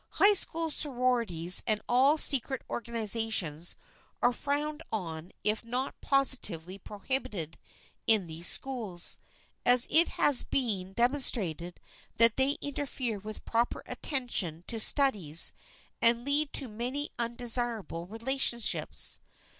High school sororities and all secret organizations are frowned on if not positively prohibited in these schools, as it has been demonstrated that they interfere with proper attention to studies and lead to many undesirable relationships.